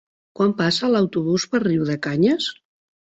Quan passa l'autobús per Riudecanyes?